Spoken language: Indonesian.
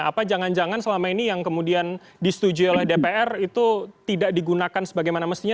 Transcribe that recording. apa jangan jangan selama ini yang kemudian disetujui oleh dpr itu tidak digunakan sebagaimana mestinya